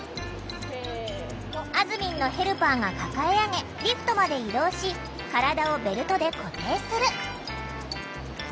あずみんのヘルパーが抱え上げリフトまで移動し体をベルトで固定する。